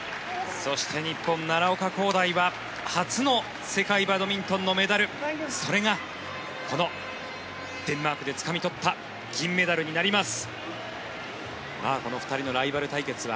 そして日本、奈良岡功大は世界の世界バドミントンのメダルそれがこのデンマークでつかみ取った銀メダルになります。